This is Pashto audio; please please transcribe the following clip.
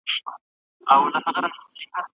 چيري چي ښه هلته ئې شپه.